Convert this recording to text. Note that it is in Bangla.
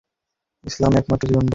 ইসলামই একমাত্র জীবন ব্যবস্থা।